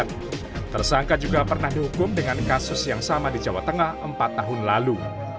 tersangka juga pernah dihukum dengan kasus yang sama di jawa tengah empat tahun lalu